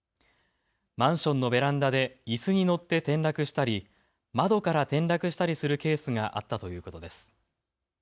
マンションのベランダでいすに乗って転落したり、窓から転落したりするケースがあったということです。